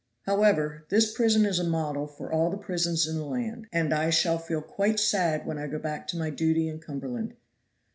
"However, this prison is a model for all the prisons in the land, and I shall feel quite sad when I go back to my duty in Cumberland."